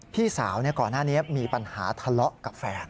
พี่สาวก่อนหน้านี้มีปัญหาทะเลาะกับแฟน